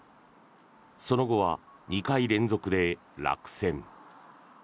その後は２回連続で落選。